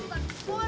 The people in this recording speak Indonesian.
nggak usah nyari